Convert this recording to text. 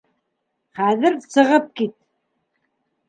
Хәҙер сығып кит!